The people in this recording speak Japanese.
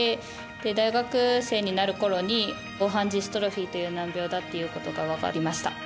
大学生になるころに黄斑ジストロフィーという難病だということだと分かりました。